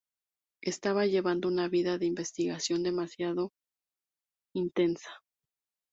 Estaba llevando una vida de investigación demasiado intensa.